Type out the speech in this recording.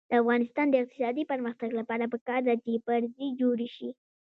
د افغانستان د اقتصادي پرمختګ لپاره پکار ده چې پرزې جوړې شي.